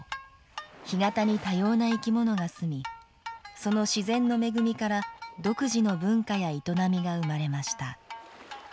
干潟に多様な生き物が住み、その自然の恵みから独自の文化や営みが生まれました。